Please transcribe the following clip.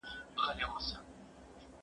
زه پرون لوبه کوم!!